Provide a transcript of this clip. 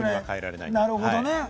なるほどね。